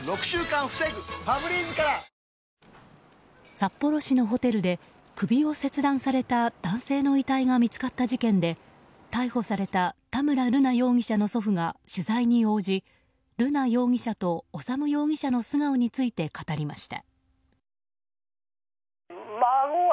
札幌市のホテルで首を切断された男性の遺体が見つかった事件で逮捕された田村瑠奈容疑者の祖父が取材に応じ瑠奈容疑者と修容疑者の素顔について語りました。